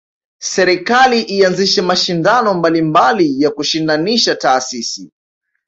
Serekali ianzishe mashindano mbalimbali ya kushindanisha taasisi